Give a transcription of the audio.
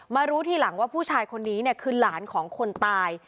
รู้ทีหลังว่าผู้ชายคนนี้เนี่ยคือหลานของคนตาย